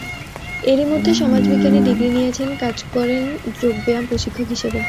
এরই মধ্যে সমাজবিজ্ঞানে ডিগ্রি নিয়েছেন, কাজ করেন যোগ ব্যায়াম প্রশিক্ষক হিসেবে।